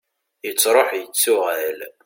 yettruḥ yettuɣal